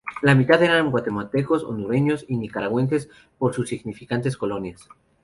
La mitad eran guatemaltecos, hondureños y nicaragüenses por sus significantes colonias.